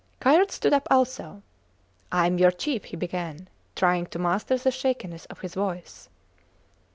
Kayerts stood up also. I am your chief, he began, trying to master the shakiness of his voice.